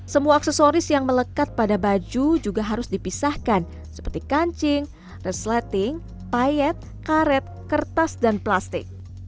semua aksesoris yang melekat pada baju juga harus dipisahkan seperti kancing resleting payet karet kertas dan plastik